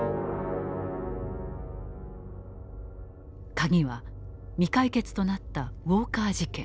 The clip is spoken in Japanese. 鍵は未解決となったウォーカー事件。